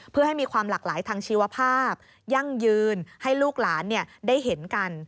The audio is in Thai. เพื่อให้มีความหลากหลายทางชีวภาพยั่งยืนให้ลูกหลานได้เห็นกัน